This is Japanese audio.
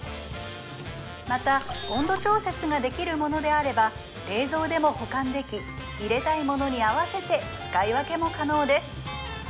また温度調節ができるものであれば冷蔵でも保管でき入れたいものに合わせて使い分けも可能です